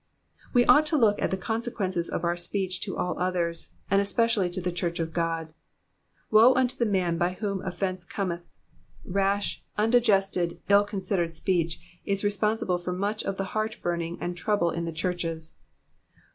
We ought to look at the consequences of our speech to all others, and especially to the church of God. Woe unto the man by whom offence cometh ! Rash, undigested, illconsidered speech, is responsible for much of the heart burning and trouble in the churches.